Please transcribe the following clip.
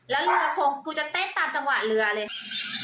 แล้วเรือคงกูจะเต้นตามจังหวะเรือเลย